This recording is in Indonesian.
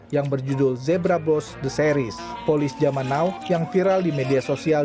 yang berjudul zebra blos the series polis zaman now yang viral di media sosial